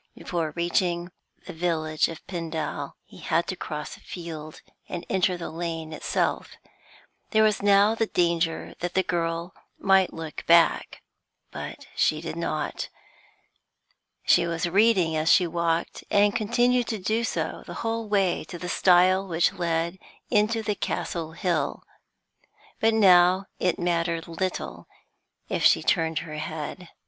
Before reaching the village of Pendal, he had to cross a field, and enter the lane itself. There was now the danger that the girl might look back. But she did not. She was reading as she walked, and continued to do so the whole way to the stile which led into the Castle Hill. But now it mattered little if she turned her head.